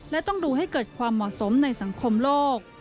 และต้องดูให้เกิดความเหมาะสมในสังคมโลก